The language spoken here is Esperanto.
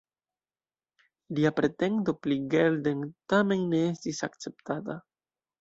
Lia pretendo pri Geldern tamen ne estis akceptata.